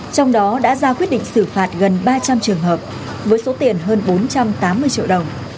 trong đó đã ra quyết định xử phạt gần ba trăm linh trường hợp với số tiền hơn bốn trăm tám mươi triệu đồng